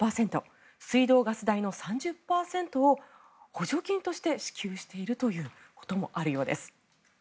水道・ガス代の３０％を補助金として支給しているということもあるようです。